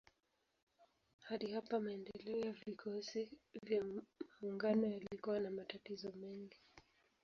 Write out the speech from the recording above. Hadi hapa maendeleo ya vikosi vya maungano yalikuwa na matatizo mengi.